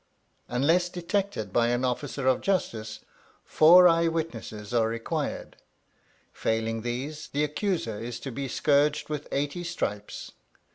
Unless detected by an officer of justice four eye witnesses are required; failing these, the accuser is to be scourged with eighty stripes.